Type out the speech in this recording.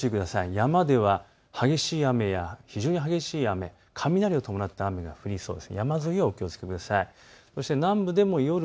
山では激しい雨や非常に激しい雨雷を伴った雨が降りそうです。